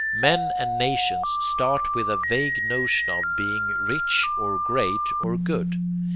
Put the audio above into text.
Men and nations start with a vague notion of being rich, or great, or good.